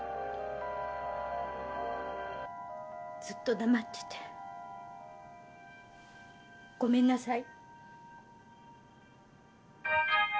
ずっと黙っててごめんなさい。